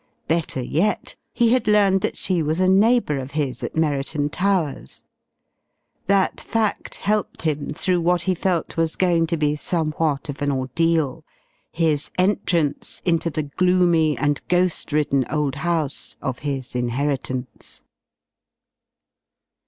Better yet, he had learned that she was a neighbour of his at Merriton Towers. That fact helped him through what he felt was going to be somewhat of an ordeal his entrance into the gloomy and ghost ridden old house of his inheritance.